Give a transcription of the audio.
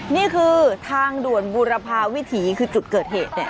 นี่คือทางด่วนบูรพาวิถีคือจุดเกิดเหตุเนี่ย